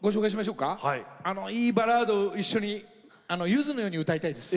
いいバラードを一緒にゆずのように歌いたいです。